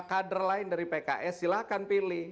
kader lain dari pks silahkan pilih